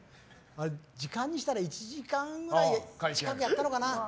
時間にしたら１時間近くやったのかな。